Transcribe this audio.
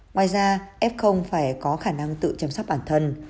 ngoài ra f phải có khả năng tự chăm sóc bản thân